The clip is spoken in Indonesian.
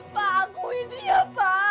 pak aku ini ya pak